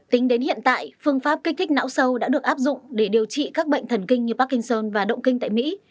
tính đến hiện tại phương pháp kích thích não sâu đã được áp dụng để điều trị các bệnh thần kinh như parkinson và động kinh tại mỹ